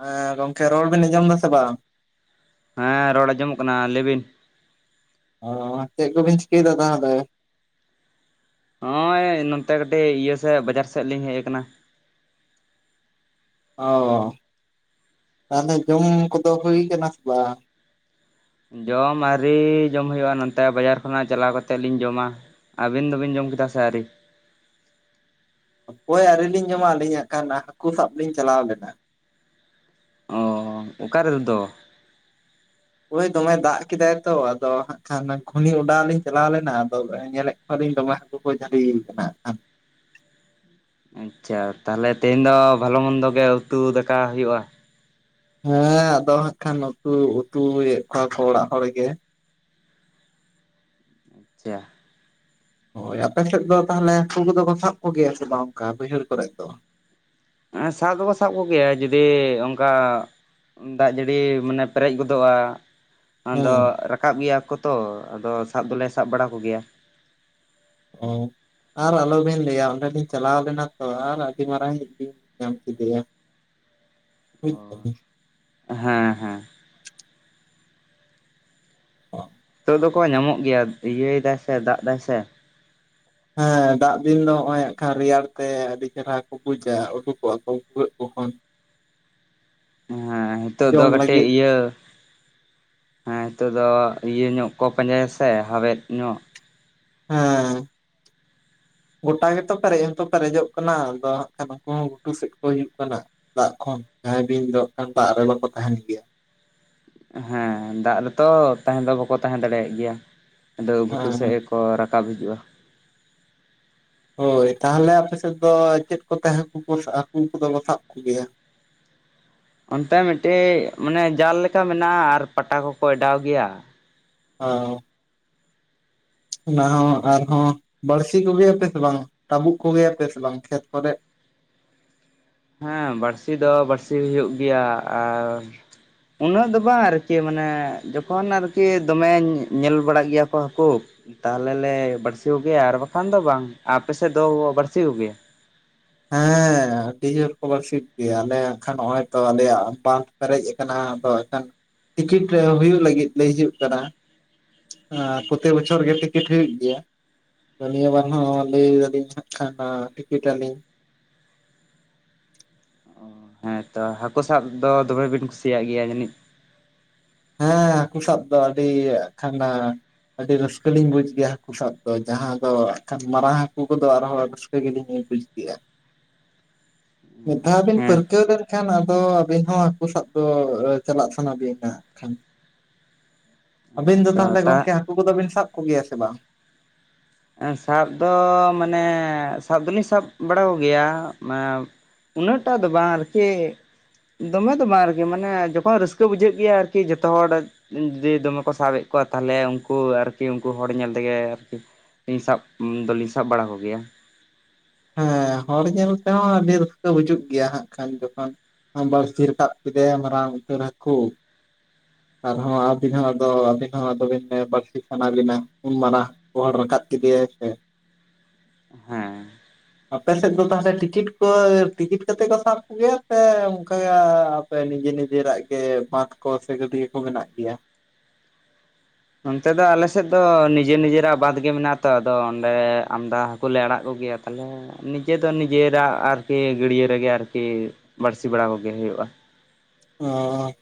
ᱦᱮᱸ ᱜᱚᱝᱠᱮ ᱨᱚᱲ ᱵᱮᱱ ᱟᱸᱡᱚᱢ ᱫᱟᱥᱮ ᱵᱟᱝ ᱦᱮᱸ ᱨᱚᱲ ᱟᱸᱡᱚᱢᱚᱜ ᱠᱟᱱᱟ ᱞᱟᱹᱭ ᱵᱤᱱ᱾ ᱚ ᱪᱮᱫ ᱠᱚ ᱵᱤᱱ ᱪᱤᱠᱟᱹᱭ ᱫᱟ, ᱛᱟᱦᱚᱞᱮ ᱱᱚᱜᱼᱚᱭ ᱱᱚᱛᱮ ᱠᱟᱹᱴᱤᱡ ᱤᱭᱟᱹ ᱥᱮᱫ ᱵᱟᱡᱟᱨ ᱥᱮᱫ ᱞᱤᱧ ᱦᱮᱡ ᱠᱟᱱᱟ᱾ ᱚᱸᱻ ᱛᱟᱦᱚᱞᱮ ᱡᱚᱢ ᱠᱚ ᱫᱚ ᱦᱩᱭ ᱠᱟᱱᱟ, ᱥᱮ ᱵᱟᱝ ᱡᱚᱢ ᱟᱹᱣᱨᱤ ᱡᱚᱢ ᱦᱩᱭᱩᱜᱼᱟ, ᱱᱚᱱᱛᱮ ᱵᱟᱡᱟᱨ ᱠᱷᱚᱱᱟᱼᱜ ᱪᱟᱞᱟᱣ ᱠᱟᱛᱮᱜ ᱞᱤᱧ ᱡᱚᱢᱟ ᱟᱵᱤᱱ ᱫᱚᱵᱤᱱ ᱡᱚᱢ ᱠᱮᱫᱟ ᱥᱮ ᱟᱹᱣᱨᱤ᱾ ᱦᱟᱯᱚᱭ ᱟᱹᱣᱨᱤ ᱞᱤᱧ ᱡᱚᱢᱟ, ᱟᱹᱞᱤᱧ ᱦᱟᱜ ᱠᱷᱟᱱ ᱱᱟᱜᱸ ᱦᱟᱹᱠᱩ ᱥᱟᱵ ᱞᱤᱧ ᱪᱟᱞᱟᱣ ᱞᱮᱱᱟ᱾ ᱚᱸᱻ ᱚᱠᱟ ᱨᱮᱫᱚ᱾ ᱳᱭ ᱫᱚᱢᱮ ᱫᱟᱜ ᱠᱮᱫᱟᱭ ᱛᱚ, ᱟᱫᱚ ᱦᱟᱸᱜ ᱠᱷᱟᱱ ᱜᱷᱩᱱᱤ ᱚᱰᱟᱣ ᱞᱤᱧ ᱪᱟᱞᱟᱣ ᱞᱮᱱᱟ, ᱟᱫᱚ ᱧᱮᱞᱮᱫ [unintelligible] ᱠᱩ ᱠᱚ ᱡᱷᱟᱹᱞᱤ ᱠᱟᱱᱟ ᱚ ᱟᱪᱪᱷᱟ ᱛᱟᱦᱚᱞᱮ ᱛᱮᱦᱮᱧ ᱫᱚ ᱵᱷᱟᱞᱚ ᱢᱚᱱᱫᱚ ᱜᱮ ᱩᱛᱩ ᱫᱟᱠᱟ ᱦᱩᱭᱩᱜᱼᱟ᱾ ᱦᱮᱸ ᱟᱫᱚ ᱦᱟᱸᱜ ᱠᱷᱟᱱ ᱩᱛᱩ ᱩᱛᱩᱭᱮᱫ ᱠᱚᱣᱟ ᱠᱚ ᱚᱲᱟᱜ ᱦᱚᱲ ᱜᱮ ᱪᱟ [unintelligible] ᱦᱳᱭ ᱟᱯᱮ ᱥᱮᱫ ᱫᱚ ᱛᱟᱦᱚᱞᱮ ᱦᱟᱹᱠᱩ ᱠᱚᱫᱚ ᱠᱚ ᱥᱟᱵ ᱠᱚ ᱜᱮᱭᱟ ᱥᱮ ᱵᱟᱝ ᱚᱱᱠᱟ ᱵᱟᱹᱭᱦᱟᱹᱲ ᱠᱚᱨᱮ ᱫᱚ᱾ ᱮᱸᱻ ᱥᱟᱵ ᱫᱚᱠᱚ ᱥᱟᱵ ᱠᱚ ᱜᱮᱭᱟ ᱡᱩᱫᱤ ᱚᱱᱠᱟ ᱫᱟᱜ ᱡᱟᱹᱲᱤ ᱢᱟᱱᱮ ᱯᱮᱨᱮᱡ ᱜᱚᱫᱚᱜᱼᱟ᱾ ᱦᱮᱸ ᱟᱫᱚ ᱨᱟᱠᱟᱵ ᱜᱮᱭᱟ ᱠᱚ ᱛᱚ, ᱟᱫᱚ ᱥᱟᱵ ᱫᱚᱞᱮ ᱥᱟᱵ ᱵᱟᱲᱟ ᱠᱚᱜᱮᱭᱟ᱾ ᱚ ᱟᱨ ᱟᱞᱚᱵᱤᱱ ᱞᱟᱹᱭᱟ, ᱚᱸᱰᱮ ᱞᱤᱧ ᱪᱟᱞᱟᱣ ᱞᱮᱱᱟ ᱛᱚ ᱟᱨ ᱟᱹᱰᱤ ᱢᱟᱨᱟᱝ ᱵᱤᱧ ᱧᱟᱢ ᱠᱮᱫᱮᱭᱟ, ᱵᱩᱡᱽ ᱫᱟᱵᱤᱱ ᱦᱮᱸ ᱦᱮᱸ ᱾ [unintelligible] ᱱᱤᱛᱚᱜ ᱫᱚᱠᱚ ᱧᱟᱢᱚᱜ ᱜᱮᱭᱟ, ᱤᱭᱟᱹᱭ ᱫᱟᱭ ᱥᱮ ᱫᱟᱜ ᱫᱟᱭ ᱥᱮ ᱦᱮᱸ ᱫᱟᱜ ᱫᱤᱱ ᱫᱚ ᱱᱚᱜᱼᱚᱭ ᱦᱟᱸᱜ ᱠᱷᱟᱱ ᱨᱮᱭᱟᱲ ᱛᱮ ᱟᱹᱰᱤ ᱪᱮᱨᱦᱟ ᱠᱚ ᱵᱩᱡᱟ ᱩᱰᱩᱠᱚᱜᱼᱟ ᱠᱚ ᱵᱷᱩᱜᱟᱹᱜ ᱠᱚ ᱠᱷᱚᱱ ᱦᱮᱸ ᱱᱤᱛᱚᱜ ᱫᱚ ᱡᱚᱢ ᱠᱟᱹᱴᱤᱡ ᱞᱟᱹᱜᱤᱫ ᱤᱭᱟᱹ ᱦᱮᱸ ᱱᱤᱛᱚᱜ ᱫᱚ ᱤᱭᱟᱹ ᱧᱚᱜ ᱠᱚ ᱯᱟᱸᱡᱟᱭᱟ ᱥᱮ ᱦᱟᱣᱮᱫ ᱧᱚᱜ ᱦᱮᱸ ᱾ ᱜᱚᱴᱟ ᱜᱮᱛᱚ ᱯᱮᱨᱮᱡ ᱦᱚᱸᱛᱚ ᱯᱮᱨᱮᱡᱚᱜ ᱠᱟᱱᱟ, ᱟᱫᱚ ᱦᱟᱸᱜ ᱠᱷᱟᱱ ᱩᱱᱠᱩ ᱦᱚᱸ ᱜᱷᱩᱴᱩ ᱥᱮᱫ ᱠᱚ ᱦᱤᱡᱩᱜ ᱠᱟᱱᱟ᱾ ᱫᱟᱜ ᱠᱷᱚᱱ ᱡᱟᱦᱟᱸᱭ ᱵᱤᱧ ᱫᱚ ᱱᱟᱜ ᱫᱟᱜ ᱨᱮ ᱵᱟᱠᱚ ᱛᱟᱦᱮᱱ ᱜᱮᱭᱟ᱾ ᱦᱮᱸ ᱫᱟᱜ ᱨᱮᱛᱚ ᱛᱟᱦᱮᱸ ᱫᱚ ᱵᱟᱠᱚ ᱛᱟᱦᱮᱸ ᱫᱟᱲᱮᱭᱟᱜ ᱜᱮᱭᱟ, ᱟᱫᱚ ᱜᱷᱩᱴᱩ ᱥᱮᱜ ᱦᱮᱸ ᱠᱚ ᱨᱟᱠᱟᱵ ᱦᱤᱡᱩᱜᱼᱟ ᱾ ᱦᱳᱭ ᱛᱟᱦᱚᱞᱮ ᱟᱯᱮᱥᱮᱫ ᱫᱚ ᱪᱮᱫ ᱠᱚ ᱛᱮ ᱦᱟᱹᱠᱩ ᱠᱚ ᱦᱟᱹᱠᱩ ᱠᱚ ᱫᱚ ᱠᱚᱥᱟᱵ ᱠᱚᱜᱮᱭᱟ? ᱚᱱᱛᱮ ᱢᱤᱫᱴᱤᱡ ᱢᱟᱱᱮ ᱡᱟᱞ ᱞᱮᱠᱟ ᱢᱮᱱᱟᱜᱼᱟ ᱟᱨ ᱯᱟᱴᱟ ᱠᱚᱠᱚ ᱮᱰᱟᱣ ᱜᱮᱭᱟ᱾ [unintelligible] ᱚᱱᱟ ᱦᱚᱸ ᱟᱨᱦᱚᱸ ᱵᱟᱹᱲᱥᱤ ᱠᱚᱜᱮᱭᱟᱯᱮ ᱥᱮ ᱵᱟᱝ ᱴᱟᱹᱵᱩᱜ ᱠᱚᱜᱮᱭᱟᱯᱮ ᱥᱮ ᱵᱟᱝ ᱠᱷᱮᱛ ᱠᱚᱨᱮ? ᱦᱮᱸ ᱵᱟᱹᱲᱥᱤ ᱫᱚ ᱵᱟᱹᱲᱥᱤ ᱦᱩᱭᱩᱜ ᱜᱮᱭᱟ ᱟᱨ ᱩᱱᱟᱹᱜ ᱫᱚ ᱵᱟᱝ ᱟᱨᱠᱤ ᱢᱟᱱᱮ ᱡᱚᱠᱷᱚᱱ ᱟᱨᱠᱤ ᱫᱚᱢᱮ ᱧᱮᱞ ᱵᱟᱲᱟᱜ ᱜᱮᱭᱟ ᱠᱚ ᱦᱟᱹᱠᱩ ᱛᱟᱦᱚᱞᱮ ᱞᱮ ᱵᱟᱹᱲᱥᱤ ᱠᱚᱜᱮᱭᱟ ᱟᱨ ᱵᱟᱠᱷᱟᱱ ᱫᱚ ᱵᱟᱝ ᱾ ᱟᱯᱮᱥᱮᱫ ᱫᱚ ᱵᱟᱹᱲᱥᱤ ᱠᱚᱜᱮᱭᱟ? ᱦᱮᱸ [inaudible] ᱟᱹᱰᱤ ᱡᱳᱨ ᱠᱚ ᱵᱟᱹᱲᱥᱤ ᱠᱚᱜᱮᱭᱟ, ᱟᱞᱮ ᱱᱟᱜ ᱠᱷᱟᱱ ᱱᱚᱜᱼᱚᱭ ᱛᱚ ᱟᱞᱮᱭᱟᱜ ᱵᱟᱸᱫᱷ ᱯᱮᱨᱮᱡ ᱟᱠᱟᱱᱟ, ᱟᱫᱚ ᱮᱠᱷᱟᱱ ᱴᱤᱠᱤᱴ ᱨᱮ ᱦᱩᱭᱩᱜ ᱞᱟᱹᱜᱤᱫ ᱞᱟᱹᱭ ᱦᱩᱭᱩᱜ ᱠᱟᱱᱟ᱾ ᱦᱚᱸ ᱯᱨᱚᱛᱤ ᱵᱚᱪᱷᱚᱨ ᱜᱮ ᱴᱤᱠᱤᱴ ᱦᱩᱭᱩᱜ ᱜᱮᱭᱟ᱾ ᱱᱤᱭᱟᱹ ᱵᱟᱨ ᱦᱚᱸ ᱞᱟᱹᱭ ᱫᱟᱞᱤᱧ ᱦᱟᱸᱜ ᱠᱷᱟᱱ ᱴᱤᱠᱤᱴ ᱟᱞᱤᱧ ᱾ ᱦᱮᱸ ᱛᱚ ᱦᱟᱹᱠᱩ ᱥᱟᱵ ᱫᱚ ᱫᱚᱢᱮ ᱵᱤᱱ ᱠᱩᱥᱤᱭᱟᱜ ᱜᱮᱭᱟ ᱡᱟᱹᱱᱤᱡ? ᱦᱮᱸ ᱦᱟᱹᱠᱩ ᱥᱟᱵ ᱫᱚ ᱟᱹᱰᱤ ᱦᱟᱸᱜ ᱠᱷᱟᱱ ᱟᱹᱰᱤ ᱨᱟᱹᱥᱠᱟᱹ ᱞᱤᱧ ᱵᱩᱡ ᱜᱮᱭᱟ ᱦᱟᱹᱠᱩ ᱥᱟᱵ ᱫᱚ, ᱡᱟᱦᱟᱸ ᱫᱚ ᱠᱷᱟᱱ ᱢᱟᱨᱟᱝ ᱦᱟᱹᱠᱩ ᱠᱚᱫᱚ ᱟᱨ ᱦᱚᱸ ᱨᱟᱥᱠᱟᱹ ᱜᱮᱞᱤᱧ ᱵᱩᱡ ᱜᱮᱭᱟ᱾ [inaudible] ᱢᱤᱫ ᱫᱷᱟᱣ ᱵᱤᱱ ᱦᱮᱸ ᱛᱚ ᱯᱟᱹᱨᱠᱟᱹᱣ ᱞᱮᱱ ᱠᱷᱟᱱ ᱟᱫᱚ, ᱟᱹᱵᱤᱱ ᱦᱚᱸ ᱦᱟᱹᱠᱩ ᱥᱟᱵ ᱫᱚ ᱪᱟᱞᱟᱜ ᱥᱟᱱᱟ ᱵᱤᱱᱟ ᱠᱷᱟᱱ ᱾ ᱦᱮᱸ ᱟᱹᱵᱤᱱ ᱫᱚ ᱛᱚ ᱛᱟᱦᱚᱞᱮ ᱛᱟ ᱜᱚᱝᱠᱮ ᱦᱟᱹᱠᱩ ᱠᱚᱫᱚ ᱵᱤᱱ ᱥᱟᱵ ᱠᱚᱜᱮᱭᱟ ᱥᱮ ᱵᱟᱝ? ᱥᱟᱵ ᱫᱚ ᱢᱟᱱᱮ ᱥᱟᱵ ᱫᱚᱞᱤᱧ ᱥᱟᱵ ᱵᱟᱲᱟ ᱠᱚᱜᱮᱭᱟ ᱩᱱᱟᱜ ᱴᱟᱜ ᱫᱚ ᱵᱟᱝ ᱟᱨᱠᱤ ᱫᱚᱢᱮ ᱫᱚ ᱵᱟᱝ ᱟᱨᱠᱤ ᱢᱟᱱᱮ ᱡᱚᱠᱷᱚᱱ ᱨᱟᱹᱥᱠᱟᱹ ᱵᱩᱡᱷᱟᱜ ᱜᱮᱭᱟ ᱟᱨᱠᱤ ᱡᱚᱛᱚ ᱦᱚᱲ ᱡᱩᱫᱤ ᱫᱚᱢᱮ ᱠᱚ ᱥᱟᱵ ᱮᱫ ᱠᱚᱣᱟ, ᱛᱟᱦᱚᱞᱮ ᱩᱱᱠᱩ ᱟᱨᱠᱤ ᱩᱱᱠᱩ ᱦᱚᱲ ᱧᱮᱞ ᱛᱮᱜᱮ ᱟᱨᱠᱤ [unintelligible] ᱥᱟᱵ ᱫᱚᱞᱤᱧ ᱥᱟᱵ ᱵᱟᱲᱟ ᱠᱚᱜᱮᱭᱟ ᱾ ᱦᱮᱸ ᱦᱚᱲ ᱧᱮᱞ ᱛᱮᱦᱚᱸ ᱟᱹᱰᱤ ᱨᱟᱹᱥᱠᱟᱹ ᱵᱩᱡᱩᱜ ᱜᱮᱭᱟ ᱦᱟᱸᱜ ᱠᱷᱟᱱ ᱡᱚᱠᱷᱚᱱ ᱵᱟᱹᱲᱥᱤ ᱨᱟᱠᱟᱵ ᱠᱮᱫᱮᱭᱟ ᱢᱟᱨᱟᱝ ᱩᱛᱟᱨ ᱦᱟᱹᱠᱩ ᱟᱨ ᱦᱚᱸ ᱟᱵᱤᱱ ᱦᱚᱸ ᱟᱫᱚ [inaudible] ᱱᱚᱣᱟ ᱟᱫᱚ ᱵᱤᱱ ᱵᱟᱹᱲᱥᱤ ᱥᱟᱱᱟ ᱵᱤᱱᱟ, ᱩᱱ ᱢᱟᱨᱟᱝ ᱵᱳᱲᱟᱲ ᱨᱟᱠᱟᱵ ᱠᱮᱫᱮᱭᱟᱭ ᱥᱮ ᱦᱮᱸ ᱾ ᱟᱯᱮ ᱥᱮᱫ ᱫᱚ ᱛᱟᱦᱚᱞᱮ ᱴᱤᱠᱤᱴ ᱠᱚ ᱴᱤᱠᱤᱴ ᱠᱟ ᱠᱟᱛᱮᱫ ᱠᱚ ᱥᱟᱵ ᱠᱚᱜᱮᱭᱟ ᱥᱮ ᱚᱱᱠᱟ ᱱᱤᱡᱮ ᱱᱤᱡᱮ ᱨᱟᱜ ᱜᱮ ᱵᱟᱸᱫᱷ ᱠᱚ ᱥᱮ ᱜᱟᱹᱰᱭᱟᱹ ᱠᱚ ᱢᱮᱱᱟᱜ ᱜᱮᱭᱟ? ᱱᱚᱱᱛᱮ ᱫᱚ ᱟᱞᱮᱥᱮᱫ ᱫᱚ ᱱᱤᱡᱮᱨ ᱱᱤᱡᱮᱨᱟᱜ ᱵᱟᱸᱫᱷ ᱜᱮ ᱢᱮᱱᱟᱜ ᱛᱚ, ᱟᱫᱚ ᱚᱸᱰᱮ ᱟᱢᱫᱟ ᱦᱟ ᱠᱩ ᱞᱮ ᱟᱲᱟᱜ ᱠᱚᱜᱮᱭᱟ ᱛᱟᱦᱚᱞᱮ ᱱᱤᱡᱮ ᱫᱚ ᱱᱤᱡᱮᱨᱟᱜ ᱟᱨᱠᱤ ᱜᱟᱹᱰᱭᱟᱹ ᱨᱮᱜᱮ ᱟᱨᱠᱤ ᱵᱟᱹᱲᱥᱤ ᱵᱟᱲᱟ ᱠᱚᱜᱮ ᱦᱩᱭᱩᱜᱼᱟ᱾ ᱚ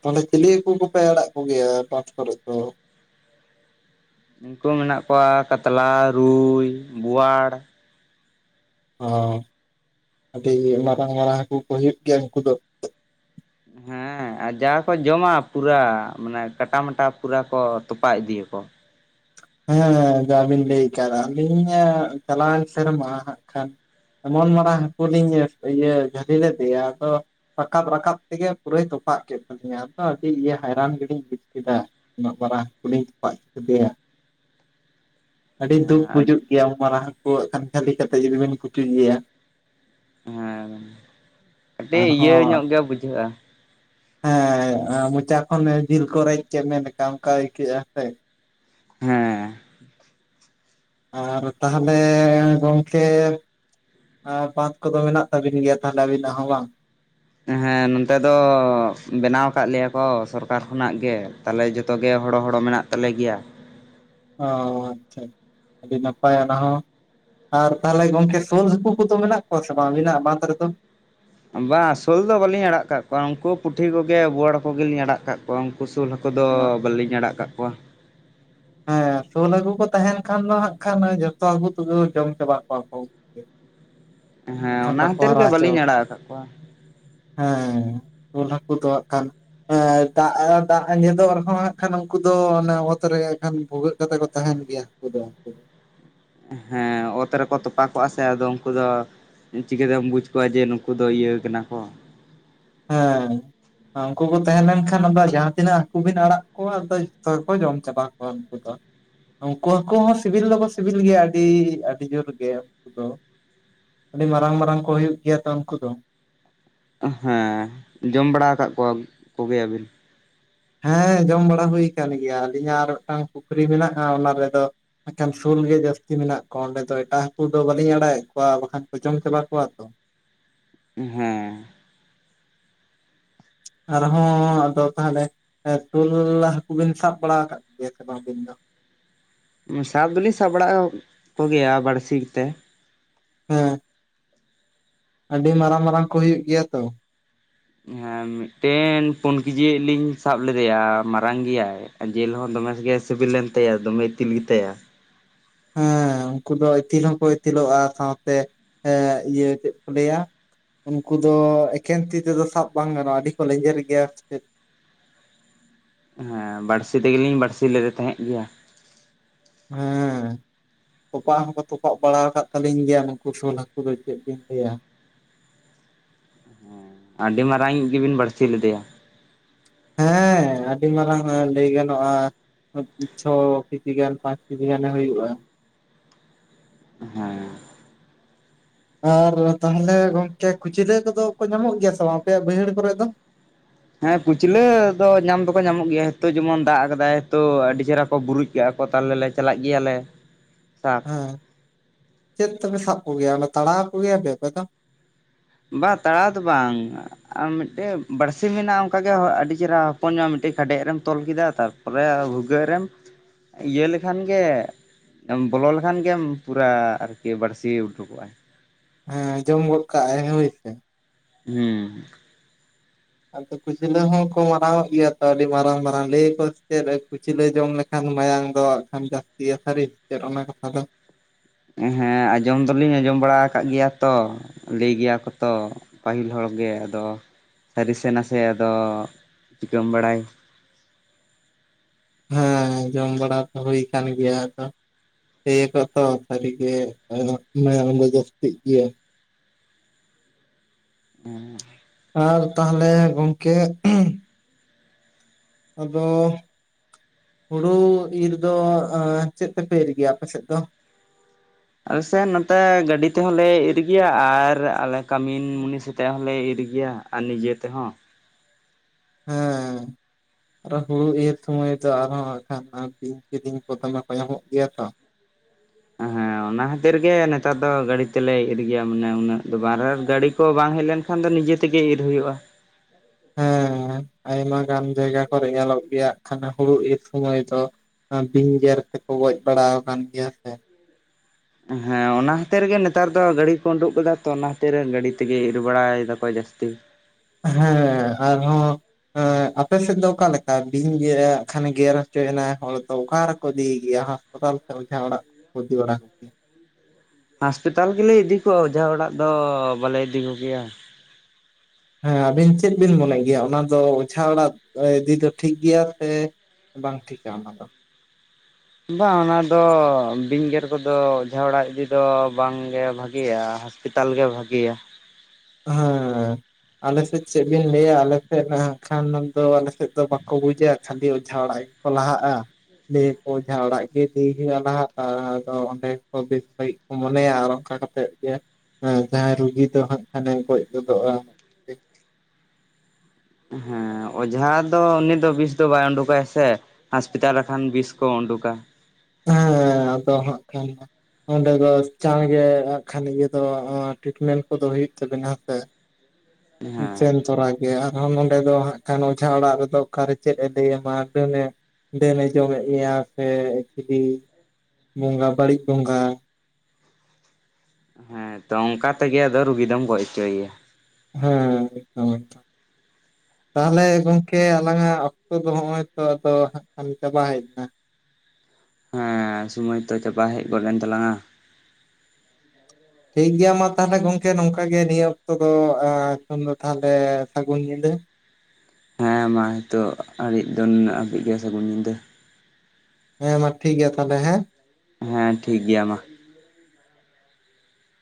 ᱛᱟᱦᱚᱞᱮ ᱪᱤᱞᱤ ᱦᱟᱹᱠᱩ ᱠᱚᱯᱮ ᱟᱲᱟᱜ ᱠᱚᱜᱮᱭᱟ ᱵᱟᱸᱫᱷ ᱠᱚᱨᱮ ᱠᱚ? ᱩᱱᱠᱩ ᱢᱮᱱᱟᱜ ᱠᱚᱣᱟ ᱠᱟᱛᱞᱟ ᱨᱩᱭ ᱵᱳᱣᱟᱲ ᱚ ᱟᱹᱰᱤ ᱢᱟᱨᱟᱝ, ᱢᱟᱨᱟᱝᱹ ᱦᱟᱠᱩ ᱠᱚ ᱦᱩᱭᱩᱜᱹ ᱜᱮᱭᱟ, ᱩᱱᱠᱩ ᱫᱚ ᱦᱮᱸ ᱾ ᱟᱨ ᱡᱟ ᱠᱚ ᱡᱚᱢᱟ ᱯᱩᱨᱟ ᱢᱟᱱᱮ ᱠᱟᱴᱟ ᱢᱟᱴᱟ ᱯᱩᱨᱟ ᱠᱚ ᱛᱚᱯᱟ ᱤᱫᱤᱭᱟ ᱠᱚ ᱾ ᱦᱮᱸ ᱡᱟ ᱵᱤᱱ ᱞᱟᱹᱭ ᱟᱠᱟᱫ, ᱟᱹᱞᱤᱧ ᱪᱟᱞᱟᱣ ᱮᱱ ᱥᱮᱨᱢᱟ ᱦᱟᱸᱜ ᱠᱷᱟᱱ ᱮᱢᱚᱱ ᱢᱟᱨᱟᱝ ᱦᱟᱠᱩ ᱞᱤᱧ ᱤᱭᱟᱹ ᱡᱷᱟᱹᱞᱤ ᱞᱮᱫᱮᱭᱟ ᱟᱫᱚ ᱨᱟᱠᱟᱵ, ᱨᱟᱠᱟᱵ ᱛᱮᱸᱜᱮ ᱯᱩᱨᱟᱹᱭ ᱛᱚᱯᱟᱜ ᱠᱮᱫ ᱛᱟᱹᱞᱤᱤᱧᱟ, ᱟᱫᱚ ᱟᱹᱰᱤ ᱤᱭᱟᱹ ᱦᱟᱭᱨᱟᱱ ᱜᱮᱞᱤᱧ ᱵᱩᱡ ᱠᱮᱫᱟ ᱾ ᱩᱱᱟᱜ ᱯᱟᱛᱟ ᱦᱟᱠᱩ ᱞᱤᱧ ᱛᱚᱯᱟᱜ ᱦᱚᱪᱚ ᱠᱮᱫᱮᱭᱟ ᱟᱹᱰᱤ ᱫᱩᱠ ᱦᱮᱸ ᱵᱩᱡᱩᱜ ᱜᱮᱭᱟ, ᱩᱱ ᱢᱟᱨᱟᱝ ᱦᱟᱠᱩ ᱦᱟᱸᱜ ᱠᱷᱟᱱ ᱠᱷᱟᱹᱞᱤ ᱠᱟᱛᱮᱫ, ᱡᱩᱫᱤ ᱵᱮᱱ ᱯᱷᱩᱪᱩ ᱜᱮᱭᱟ ᱦᱮᱸ ᱟᱨ ᱠᱟᱹᱴᱤᱡ ᱤᱭᱟᱹ ᱦᱚᱸ ᱧᱚᱜ ᱜᱮ ᱵᱩᱡᱷᱟᱹᱜᱼᱟ ᱦᱮᱸ ᱢᱚᱪᱟ ᱠᱷᱚᱱ ᱡᱤᱞ ᱠᱚ ᱨᱮᱡ ᱠᱮᱫ ᱢᱮ ᱞᱮᱠᱟ ᱚᱱᱠᱟᱹ ᱟᱹᱭᱠᱟᱹᱜᱼᱟ ᱥᱮ? ᱦᱮᱸ ᱾ ᱟᱨ ᱛᱟᱦᱚᱞᱮ ᱜᱚᱝᱠᱮ ᱵᱟᱸᱫ ᱠᱚᱫᱚ ᱢᱮᱱᱟᱼᱜ ᱛᱟᱵᱤᱱ ᱜᱮᱭᱟ, ᱛᱟᱦᱚᱞᱮ ᱟᱵᱤᱱᱟᱜ ᱦᱚᱸ ᱵᱟᱝ? ᱦᱮᱸ ᱱᱚᱛᱮ ᱫᱚ ᱵᱮᱱᱟᱣ ᱠᱟᱜ ᱞᱮᱭᱟ ᱠᱚ ᱥᱚᱨᱠᱟᱨ ᱠᱷᱚᱱᱟᱜ ᱜᱮ ᱛᱟᱦᱚᱞᱮ ᱡᱚᱛᱚ ᱜᱮ ᱦᱚᱲ ᱦᱚᱲᱚ ᱢᱮᱱᱟᱜ ᱛᱟᱞᱮ ᱜᱮᱭᱟ ᱾ ᱚ ᱟᱪᱪᱷᱟ ᱟᱹᱰᱤ ᱱᱟᱯᱟᱭ ᱚᱱᱟ ᱦᱚᱸ ᱾ ᱟᱨ ᱛᱟᱦᱚᱞᱮ ᱜᱚᱝᱠᱮ, ᱥᱳᱞ ᱦᱟᱠᱩ ᱠᱚᱫᱚ ᱢᱮᱱᱟᱜ ᱠᱚᱣᱟ ᱥᱮ ᱵᱟᱝ ᱟᱵᱤᱱᱟᱜ ᱵᱟᱸᱫᱷ ᱨᱮᱫᱚ? ᱵᱟ ᱥᱳᱞ ᱫᱚ ᱵᱟᱹᱞᱤᱧ ᱟᱲᱟᱜ ᱠᱟᱜ ᱠᱚᱣᱟ, ᱩᱱᱠᱩ ᱯᱩᱴᱷᱤ ᱠᱚᱜᱮ ᱵᱳᱣᱟᱲ ᱠᱚᱜᱮᱞᱤᱧ ᱟᱲᱟᱜ ᱠᱟᱜ ᱠᱚᱣᱟ ᱩᱱᱠᱩ ᱥᱳᱞ ᱦᱟᱠᱩ ᱫᱚ ᱵᱟᱹᱞᱤᱧ ᱟᱲᱟᱜ ᱠᱟᱜ ᱠᱚᱣᱟ ᱾ ᱦᱮᱸ ᱥᱳᱞ ᱟᱹᱜᱩ ᱠᱚ ᱛᱟᱦᱮᱱ ᱠᱷᱟᱱ ᱫᱚ ᱦᱟᱸᱜ ᱠᱷᱟᱱ ᱡᱚᱛᱚ ᱦᱟᱠᱩ ᱛᱮᱜᱮ ᱡᱚᱢ ᱪᱟᱵᱟᱜ ᱠᱚᱣᱟ ᱠᱚ ᱦᱮᱸ ᱮᱱᱠᱷᱟᱱ ᱚᱱᱟ ᱵᱟᱠᱚ ᱠᱷᱟᱹᱛᱤᱨ ᱦᱟᱨᱟ ᱜᱮ ᱦᱚᱪᱚ ᱵᱟᱞᱤᱧ ᱟᱲᱟᱜ ᱟᱠᱟᱫ ᱠᱚᱣᱟ ᱾ ᱦᱮᱸ ᱥᱳᱞ ᱦᱟᱠᱩ ᱫᱚ ᱦᱟᱸᱜ ᱠᱷᱟᱱ ᱫᱟᱜ, ᱫᱟᱜ ᱟᱡᱮᱫᱚᱜ ᱨᱮᱦᱚᱸ ᱦᱟᱸᱜ ᱠᱷᱟᱱ ᱩᱱᱠᱩ ᱫᱚ ᱚᱱᱟ ᱚᱛᱨᱮ ᱮᱠᱷᱟᱱ ᱵᱷᱩᱜᱟᱹᱜ ᱠᱟᱛᱮ ᱠᱚ ᱛᱟᱦᱮᱱ ᱜᱮᱭᱟ, ᱩᱱᱠᱩ ᱦᱟᱠᱩ ᱫᱚ ᱾ ᱦᱮᱸ ᱚᱛ ᱨᱮᱠᱚ ᱛᱚᱯᱟ ᱠᱚᱜ-ᱟ ᱥᱮ? ᱟᱫᱚ ᱩᱱᱠᱩ ᱫᱚ ᱪᱤᱠᱟᱹᱛᱮᱢ ᱵᱩᱡᱽ ᱠᱚᱣᱟ, ᱡᱮ ᱱᱩᱠᱩ ᱫᱚ ᱤᱭᱟᱹ ᱠᱟᱱᱟ ᱠᱚ ᱦᱮᱸ ᱾ ᱩᱱᱠᱩ ᱠᱚ ᱛᱟᱦᱮᱸ ᱞᱮᱱᱠᱷᱟᱱ ᱟᱫᱚ ᱡᱟᱦᱟᱸ ᱛᱤᱱᱟᱹᱜ ᱦᱟᱠᱩ ᱵᱤᱱ ᱟᱲᱟᱜ ᱠᱚᱣᱟ, ᱟᱫᱚ ᱡᱚᱛᱚ ᱜᱮᱠᱚ ᱡᱚᱢ ᱪᱟᱵᱟ ᱠᱚᱣᱟ ᱩᱱᱠᱩ ᱫᱚ ᱾ ᱩᱱᱠᱩ ᱦᱟᱠᱩ ᱦᱚᱸ ᱥᱤᱵᱤᱞ ᱫᱚᱠᱚ ᱥᱤᱵᱤᱞ ᱜᱮᱭᱟ, ᱟᱹᱰᱤ ᱟᱹᱰᱤ ᱡᱳᱨ ᱜᱮ ᱩᱱᱠᱩ ᱫᱚ ᱟᱹᱰᱤ ᱢᱟᱨᱟᱝ ᱢᱟᱨᱟᱝ ᱠᱚ ᱦᱩᱭᱩᱜ ᱜᱮᱭᱟ ᱛᱚ ᱩᱱᱠᱩ ᱫᱚ ᱾ ᱦᱮᱸ ᱡᱚᱢ ᱵᱟᱲᱟ ᱟᱠᱟᱫ ᱠᱚᱣᱟ ᱠᱚᱜᱮᱭᱟ ᱵᱤᱱ? ᱦᱮᱸ ᱡᱚᱢ ᱵᱟᱲᱟ ᱦᱩᱭ ᱟᱠᱟᱱ ᱜᱮᱭᱟ᱾ ᱟᱹᱞᱤᱧᱟᱜ ᱟᱨ ᱢᱤᱫᱴᱟᱝ ᱯᱩᱠᱷᱨᱤ ᱢᱮᱱᱟᱜ-ᱟ, ᱚᱱᱟ ᱨᱮᱫᱚ ᱵᱟᱠᱷᱟᱱ ᱥᱳᱞ ᱜᱮ ᱡᱟᱹᱥᱛᱤ ᱢᱮᱱᱟᱜ ᱠᱚᱣᱟ, ᱚᱸᱰᱮ ᱫᱚ ᱮᱴᱟᱜ ᱦᱟᱠᱩ ᱫᱚ ᱵᱟᱞᱤᱧ ᱟᱲᱟᱭᱮᱫ ᱠᱚᱣᱟ, ᱵᱟᱠᱷᱟᱱ ᱠᱚ ᱡᱚᱢ ᱪᱟᱵᱟ ᱠᱚᱣᱟ ᱛᱚ ᱦᱮᱸ ᱾ ᱟᱨ ᱦᱚᱸ ᱟᱫᱚ ᱛᱟᱦᱚᱞᱮ ᱥᱳᱞ ᱦᱟᱠᱩ ᱵᱤᱱ ᱥᱟᱵ ᱵᱟᱲᱟ ᱟᱠᱟᱫ ᱜᱮᱭᱟ ᱟᱹᱵᱤᱱ ᱫᱚ? ᱥᱟᱵ ᱫᱚᱞᱤᱧ ᱥᱟᱵ ᱵᱟᱲᱟ ᱠᱚᱜᱮᱭᱟ ᱵᱟᱹᱲᱥᱤ ᱛᱮ ᱦᱮᱸ ᱾ ᱟᱹᱰᱤ ᱢᱟᱨᱟᱝ ᱢᱟᱨᱟᱝ ᱠᱚ ᱦᱩᱭᱩᱜ ᱜᱮᱭᱟ ᱛᱚ ᱾ ᱦᱮᱸ ᱢᱤᱫᱴᱮᱱ ᱯᱩᱱ ᱠᱮᱡᱤ ᱞᱤᱧ ᱥᱟᱵ ᱞᱮᱫᱮᱭᱟ ᱢᱟᱨᱟᱝ ᱜᱮᱭᱟᱭ ᱟᱨ ᱡᱤᱞ ᱦᱚᱸ ᱫᱚᱢᱮ ᱥᱤᱵᱤᱞ ᱮᱱ ᱛᱟᱭᱟ ᱫᱚᱢᱮ ᱤᱛᱤᱞ ᱜᱮᱛᱟᱭᱟ᱾ ᱦᱮᱸ ᱩᱱᱠᱩ ᱫᱚ ᱤᱛᱤᱞ ᱦᱚᱸᱠᱚ ᱤᱛᱤᱞᱚᱜ-ᱟ, ᱥᱟᱶᱛᱮ ᱤᱭᱟᱹ ᱪᱮᱫ ᱠᱚ ᱞᱟᱹᱭᱟ ᱩᱱᱠᱩ ᱫᱚ ᱮᱠᱮᱱ ᱛᱤ ᱛᱮᱫᱚ ᱥᱟᱵ ᱵᱟᱝ ᱜᱟᱱᱚᱜ-ᱟ, ᱟᱹᱰᱤ ᱠᱚ ᱞᱮᱡᱮᱨ ᱜᱮᱭᱟ ᱪᱮᱫ? ᱦᱮᱸ ᱵᱟᱹᱲᱥᱤ ᱛᱮᱜᱮᱞᱤᱧ ᱵᱟᱹᱲᱥᱤ ᱞᱮᱫᱮ ᱛᱟᱦᱮᱸᱫ ᱜᱮᱭᱟ᱾ ᱦᱮᱸ᱾ ᱛᱚᱯᱟᱜ ᱦᱚᱸᱠᱚ ᱛᱚᱯᱟᱜ ᱵᱟᱲᱟ ᱟᱠᱟᱫ ᱛᱟᱹᱞᱤᱧ ᱜᱮᱭᱟ, ᱱᱩᱠᱩ ᱥᱳᱞ ᱦᱟᱹᱠᱩ ᱫᱚ ᱪᱮᱫ ᱵᱤᱱ ᱞᱟᱹᱭᱟ ᱦᱮᱸ ᱾ ᱟᱹᱰᱤ ᱢᱟᱨᱟᱝ ᱜᱮᱵᱤᱱ ᱵᱟᱹᱲᱥᱤ ᱞᱮᱫᱮᱭᱟ? [unintelligible] ᱦᱮᱸᱻᱮ, ᱟᱹᱰᱤ ᱢᱟᱨᱟᱝ ᱦᱚᱲᱮ ᱞᱟᱹᱭ ᱜᱟᱱᱚᱜ-ᱟ ᱾ ᱯᱟᱸᱪ ᱠᱤ ᱪᱷᱚ ᱠᱮᱡᱤ ᱜᱟᱱ, ᱯᱟᱸᱪ ᱠᱮᱡᱤ ᱜᱟᱱᱮ ᱦᱩᱭᱩᱜ-ᱟ ᱾ ᱦᱮᱸᱻ ᱾ ᱟᱨ ᱛᱟᱦᱚᱞᱮ ᱜᱚᱝᱠᱮ, ᱠᱷᱩᱪᱞᱟᱹ ᱠᱚᱫᱚ ᱠᱚ ᱧᱟᱢᱚᱜ ᱜᱮᱭᱟ, ᱥᱮ ᱵᱟᱝ ᱟᱯᱮᱭᱟᱜ ᱵᱟᱹᱭᱦᱟᱹᱲ ᱠᱚᱨᱮ ᱫᱚ ᱾ ᱦᱮᱸ, ᱠᱩᱪᱞᱟᱹ ᱫᱚ ᱧᱟᱢ ᱫᱚᱠᱚ ᱧᱟᱢᱚᱜ ᱜᱮᱭᱟ ᱾ ᱦᱤᱛᱚᱜ ᱡᱮᱢᱚᱱ ᱫᱟᱜ ᱟᱠᱟᱟᱭ ᱛᱚ, ᱟᱹᱰᱤ ᱪᱮᱦᱨᱟ ᱠᱚ ᱵᱩᱨᱩᱡ ᱠᱟᱹᱜ ᱛᱟᱦᱞᱮ ᱞᱮ ᱪᱟᱞᱟᱜ ᱜᱮᱭᱟᱞᱮ ᱥᱟᱵ ᱾ ᱦᱮᱸ, ᱪᱮᱫ? ᱛᱮᱯᱮ ᱥᱟᱵ ᱠᱚᱜᱮᱭᱟ, ᱛᱟᱲᱟᱣ ᱠᱚᱜᱮᱭᱟ ᱯᱮ ᱛᱚ ᱾ [unintelligible] ᱵᱟᱝ, ᱛᱟᱲᱟᱣ ᱫᱚ ᱵᱟᱝ ᱾ ᱟᱢ, ᱢᱤᱫᱴᱮᱡ ᱵᱟᱹᱲᱥᱤ ᱢᱮᱱᱟᱜ-ᱟ ᱚᱱᱠᱟᱜᱮ, ᱟᱹᱰᱤ ᱪᱮᱦᱨᱟ ᱦᱚᱯᱚᱱ ᱧᱚᱜ ᱢᱤᱫᱴᱮᱡ ᱠᱟᱰᱮᱡ ᱨᱮᱢ ᱛᱚᱞ ᱠᱮᱫᱟ, ᱛᱟᱨ ᱛᱟᱵᱮ, ᱵᱷᱩᱜᱟᱹᱜ ᱨᱮᱢ, ᱤᱭᱟᱹ ᱞᱮᱠᱷᱟᱱ ᱜᱮ ᱵᱚᱞᱚ ᱞᱮᱠᱷᱟᱱ ᱜᱮᱢ ᱯᱩᱨᱟ, ᱟᱨᱠᱤ ᱵᱟᱹᱲᱥᱤ ᱚᱰᱩᱠᱚᱜ-ᱟᱭ ᱾ ᱦᱮᱸ, ᱡᱚᱢ ᱜᱚᱜ ᱠᱟᱜᱼᱟᱭ, ᱦᱳᱭ ᱥᱮ ᱾ ᱦᱩᱸᱻ ᱾ ᱟᱫᱚ ᱠᱩᱪᱞᱟ, ᱹ ᱦᱚᱸᱠᱚ ᱢᱟᱨᱟᱝᱚ ᱜᱮᱭᱟ ᱛᱚ, ᱟᱹᱰᱤ ᱢᱟᱨᱟᱝ ᱢᱟᱨᱟᱝ ᱞᱟᱹᱭ ᱟᱠᱚ, ᱪᱮᱫ? ᱠᱩᱪᱞᱟᱹ ᱡᱚᱢ ᱞᱮᱠ ᱠᱷᱟᱱ ᱢᱟᱭᱟᱝ ᱫᱚ, ᱦᱟᱸᱜ ᱠᱷᱟᱱ ᱡᱟᱹᱥᱛᱤᱜᱼᱟ ᱥᱟᱹᱨᱤ ᱪᱮᱫ? ᱚᱱᱟ ᱠᱟᱛᱷᱟ ᱫᱚ ᱾ ᱦᱮᱸ, ᱟᱸᱡᱚᱢ ᱫᱚᱞᱤᱧ ᱟᱸᱡᱚᱢ ᱵᱟᱲᱟ ᱟᱠᱟᱫ ᱜᱮᱭᱟ ᱛᱚ ᱾ ᱞᱟᱹᱭ ᱜᱮᱭᱟ ᱠᱚᱛᱚ, ᱯᱟᱹᱦᱤᱞ ᱦᱚᱲᱜᱮ ᱟᱫᱚ, ᱥᱟᱹᱨᱤ ᱥᱮ ᱱᱟᱥᱮ, ᱟᱫᱚ ᱪᱤᱠᱟᱹᱢ ᱵᱟᱲᱟᱭ? ᱦᱮᱸᱻ, ᱡᱚᱢ ᱵᱟᱲᱟ ᱫᱚ ᱦᱩᱭ ᱟᱠᱟᱱ ᱜᱮᱭᱟ ᱟᱫᱚ ᱾ ᱞᱟᱹᱭ, ᱟᱠᱚ ᱛᱚ ᱥᱟᱹᱨᱤ [unintelligible] ᱜᱮ ᱢᱟᱭᱟᱝ ᱫᱚ ᱡᱟᱹᱥᱛᱤᱜ ᱜᱮᱭᱟ ᱾ ᱦᱮᱸᱻ ᱾ ᱟᱨ, ᱛᱟᱦᱚᱞᱮ ᱜᱚᱝᱠᱮ ᱾ ᱟᱫᱚᱢ ᱦᱳᱲᱳ ᱤᱨ ᱫᱚ ᱪᱮᱫ? ᱛᱮ ᱯᱮ ᱤᱨ ᱜᱮᱭᱟ ᱟᱯᱮ ᱥᱮᱫ ᱫᱚ ᱾ ᱟᱞᱮ ᱥᱮᱱ ᱱᱚᱛᱮ ᱜᱟᱹᱰᱤ ᱛᱮᱦᱚᱸ ᱞᱮ ᱤᱨ ᱜᱮᱭᱟ, ᱟᱨ ᱟᱞᱮ ᱠᱟᱹᱢᱤᱱ ᱢᱩᱱᱤᱥ ᱛᱮᱦᱚᱸ ᱞᱮ ᱤᱨ ᱜᱮᱭᱟ ᱾ ᱟᱨ ᱱᱤᱡᱮ ᱛᱮᱦᱚᱸ᱾ [inaudible] ᱟᱨᱦᱚ, ᱦᱳᱲᱳ ᱤᱨ ᱥᱳᱢᱳᱭ ᱫᱚ ᱟᱨᱦᱚᱸ ᱦᱟᱸᱜ ᱠᱷᱟᱱ, ᱵᱤᱧ ᱠᱤᱫᱤᱧ ᱠᱚ, ᱫᱚᱢᱮ ᱠᱚ ᱧᱟᱢᱚᱜ ᱜᱮᱭᱟ ᱛᱚ ᱾ ᱦᱮᱸᱻᱦᱮᱸᱻᱦᱟᱸ ᱾ ᱚᱱᱟ ᱠᱷᱟᱹᱛᱤᱨ ᱜᱮ, ᱱᱮᱛᱟᱨ ᱫᱚ ᱜᱟᱹᱰᱤ ᱛᱮ ᱞᱮ ᱤᱨ ᱜᱮᱭᱟ ᱾ ᱢᱟᱱᱮ ᱩᱱᱟᱹᱜ ᱫᱚ ᱜᱟᱹᱰᱤ ᱠᱚ ᱵᱟᱝ ᱦᱮᱡ ᱞᱮᱱ ᱠᱷᱟᱱ ᱾ ᱠᱷᱟᱱ ᱫᱚ ᱱᱤᱡᱮ ᱛᱮᱜᱮ ᱤᱨ ᱦᱩᱭᱩᱜᱼᱟ ᱾ [inaudible] ᱦᱮᱸ ᱟᱭᱢᱟ ᱜᱟᱱ ᱡᱟᱭᱜᱟ ᱠᱚᱨᱮ ᱧᱮᱞᱚᱜ ᱜᱮᱭᱟ, ᱦᱳᱲᱳ ᱤᱨ ᱥᱩᱢᱳᱭ ᱫᱚ ᱾ ᱵᱤᱧ ᱜᱮᱨ ᱛᱮᱠᱚ ᱜᱚᱡ ᱵᱟᱲᱟ ᱟᱠᱟᱱ ᱜᱮᱭᱟ ᱥᱮ? ᱦᱮᱸ, ᱚᱱᱟ ᱠᱷᱟᱹᱛᱤᱨ ᱜᱮ ᱱᱮᱛᱟᱨ ᱫᱚ ᱜᱟᱹᱰᱤ ᱠᱚ ᱩᱰᱩᱠ ᱠᱟᱫᱟ ᱛᱚ, ᱚᱱᱟ ᱠᱷᱟᱛᱤᱨ ᱜᱟᱹᱰᱤ ᱛᱮᱜᱮ ᱤᱨ ᱵᱟᱲᱟ ᱮᱫᱟ ᱠᱚ ᱡᱟᱹᱥᱛᱤ ᱾ ᱦᱮᱸ ᱟᱨ ᱦᱚᱸ ᱾ ᱟᱻ, ᱟᱯᱮ ᱥᱮᱫ ᱫᱚ ᱚᱠᱟ ᱞᱮᱠᱟ ᱵᱤᱧ ᱜᱮᱨᱟᱜ, ᱜᱮᱨ ᱦᱚᱪᱚᱭᱮᱱᱟ ᱦᱚᱲ ᱫᱚ ᱚᱠᱟ? ᱨᱮᱠᱚ ᱤᱫᱤ ᱮᱜᱮᱭᱟ ᱦᱟᱸᱜ ᱾ ᱦᱟᱸᱥᱯᱟᱛᱟᱞ ᱥᱮ? ᱚᱡᱷᱟ ᱚᱲᱟᱜ ᱠᱚ ᱤᱫᱤ ᱵᱟᱲᱟ ᱠᱚ ᱜᱮᱭᱟ ᱾ ᱦᱟᱸᱥᱯᱤᱛᱟᱞ ᱜᱮ ᱞᱮ ᱤᱫᱤ ᱠᱚᱣᱟ ᱾ᱚᱡᱷᱟ ᱚᱲᱟᱜ ᱫᱚ, ᱵᱟᱞᱮ ᱤᱫᱤ ᱠᱚ‌ ᱜᱮᱭᱟ ᱾ ᱦᱮᱸ, ᱟᱵᱤᱱ ᱪᱮᱫ ᱵᱤᱱ ᱢᱚᱱᱮ ᱜᱮᱭᱟ ᱚᱱᱟ ᱫᱚ, ᱚᱡᱷᱟ ᱚᱲᱟᱜ ᱤᱫᱤ ᱫᱚ ᱴᱷᱤᱠ ᱜᱮᱭᱟ ᱥᱮ? ᱵᱟᱝ ᱴᱷᱤᱠ-ᱟ, ᱚᱱᱟ ᱫᱚ ᱾ ᱵᱟᱝ, ᱚᱱᱟ ᱫᱚ ᱵᱤᱧ ᱜᱮᱨ ᱠᱚᱫᱚ, ᱚᱡᱷᱟ ᱚᱲᱟᱜ ᱤᱫᱤ ᱫᱚ ᱵᱟᱝ ᱜᱮ, ᱵᱷᱟᱜᱮ ᱭᱟ ᱾ ᱯᱤᱛᱟᱞ ᱜᱮ ᱵᱷᱟᱹᱜᱮ ᱭᱟ ᱾ ᱦᱟᱸᱻ, ᱟᱞᱮ ᱥᱮᱫ ᱪᱮᱫ ᱵᱤᱱ ᱞᱟᱹᱭᱟ, ᱟᱞᱮ ᱥᱮᱫ ᱦᱟᱸᱜ [unintelligible] ᱪᱮᱫ ᱫᱚ ᱵᱟᱠᱚ ᱵᱩᱡᱟᱹ, ᱠᱷᱟᱹᱞᱤ ᱚᱡᱷᱟ ᱚᱲᱟᱜ ᱜᱮᱠᱚ ᱞᱟᱦᱟᱜᱼᱟ ᱾ ᱞᱟᱹᱭ ᱟᱠᱚ, ᱚᱡᱷᱟ ᱚᱲᱟᱜ ᱜᱮ ᱤᱫᱤ ᱭᱮ ᱦᱳᱭᱳᱜᱼᱟ ᱾ ᱞᱟᱦᱟ ᱫᱚ ᱚᱸᱰᱮ ᱠᱚ ᱵᱮᱥ ᱢᱚᱱᱮ‌ᱭᱟ, ᱟᱨ ᱚᱱᱠᱟ ᱠᱟᱛᱮᱫ ᱜᱮ ᱡᱟᱸᱦᱟᱭ ᱨᱩᱜᱤ ᱫᱚ ᱦᱟᱸᱜ, ᱠᱷᱟᱱᱮ ᱜᱚᱡ ᱜᱚᱫᱚᱜᱼᱟ ᱾ ᱦᱮᱸᱻ, ᱚᱡᱷᱟ ᱫᱚ ᱩᱱᱤ ᱫᱚ ᱵᱤᱥ ᱫᱚ ᱵᱟᱭ ᱳᱰᱳᱠ ᱟᱭ ᱥᱮ? ᱦᱟᱸᱥᱯᱤᱛᱟᱞ ᱨᱮ ᱠᱷᱟᱱ ᱵᱤᱥ ᱠᱚ ᱳᱰᱳ ᱠᱟ ᱾ ᱦᱮᱸ, ᱟᱫᱚ ᱦᱟᱸᱜ ᱠᱷᱟᱱ, ᱦᱟᱸᱜ ᱾ ᱚᱸᱰᱮ ᱫᱚ ᱪᱟᱲ ᱜᱮ ᱦᱟᱸᱜ ᱠᱷᱟᱱ ᱤᱭᱟᱹ ᱫᱚ ᱴᱤᱴ ᱢᱮᱱᱴ ᱠᱚᱫᱚ ᱦᱩᱭᱩᱜ ᱛᱟᱵᱤᱱᱟ ᱦᱮᱸᱥᱮ [inaudible] ᱪᱮᱱ ᱪᱟᱨᱟᱭ ᱜᱮᱭᱟ ᱟᱨᱦᱚᱸ ᱱᱚᱰᱮ ᱫᱚ ᱦᱟᱸᱜ ᱠᱷᱟᱱ ᱚᱡᱷᱟ ᱚᱲᱟᱜ ᱨᱮᱫᱚ ᱚᱠᱟᱨᱮ ᱪᱮᱫ ᱮ ᱞᱟᱹᱭ ᱟᱢᱟ ᱟ. ᱜᱩᱭ ᱢᱮ ᱰᱟᱹᱱ ᱮ ᱡᱚᱢᱮᱜ ᱢᱮᱭᱟ ᱥᱮ ᱪᱤᱞᱤ ᱵᱚᱸᱜᱟ ᱵᱟᱹᱲᱤᱡ ᱵᱚᱸᱜᱟ ᱦᱮᱸ ᱛᱚ ᱚᱱᱠᱟ ᱛᱮᱜᱮ ᱟᱫᱚ ᱨᱩᱜᱤ ᱫᱚᱢ ᱜᱚᱡ ᱦᱚᱪᱚᱭᱟ ᱦᱮᱸ ᱮᱠᱫᱚᱢ ᱮᱠᱫᱚᱢ ᱛᱟᱦᱞᱮ ᱜᱚᱝᱠᱮ ᱟᱞᱟᱝ ᱟᱜ ᱚᱠᱛᱚ ᱫᱚ ᱦᱚᱸᱜᱼᱚᱭ ᱛᱚ ᱟᱫᱚ ᱦᱟᱸᱜ ᱠᱷᱟᱱ ᱪᱟᱵᱟ ᱦᱮᱡ ᱱᱟ ᱦᱮᱸ ᱥᱳᱢᱳᱭ ᱛᱚ ᱪᱟᱵᱟ ᱦᱮᱡ ᱜᱚᱫ ᱮᱱ ᱛᱟᱞᱟᱝᱼᱟ ᱴᱷᱤᱠ ᱜᱮᱭᱟ ᱢᱟ ᱛᱟᱦᱞᱮ ᱜᱚᱝᱠᱮ ᱱᱚᱝᱠᱟ ᱜᱮ ᱱᱤᱭᱟᱹ ᱚᱠᱛᱚ ᱫᱚ ᱮ ᱮᱠᱷᱚᱱ ᱫᱚ ᱛᱟᱦᱞᱮ ᱥᱟᱹᱜᱩᱱ ᱧᱤᱫᱟᱹ ᱦᱮᱸ ᱢᱟ ᱱᱤᱛᱚᱜ ᱦᱟᱹᱨᱤᱡ ᱫᱚ ᱱᱤᱱᱟᱹᱜ ᱦᱟᱹᱵᱤᱡ ᱜᱮ ᱥᱟᱹᱜᱩᱱ ᱧᱤᱫᱟᱹ ᱦᱮᱸ ᱢᱟ ᱴᱷᱤᱠ ᱜᱮᱭᱟ ᱛᱟᱞᱦᱮ ᱦᱮᱸ ᱦᱮᱸ ᱴᱷᱤᱠ ᱜᱮᱭᱟ ᱢᱟ